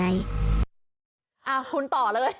อ่าหุนต่อเลย